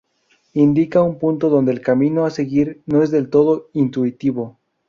Indican un punto donde el camino a seguir no es del todo intuitivo.